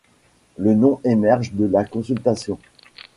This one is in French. Le nom émerge de la consultation.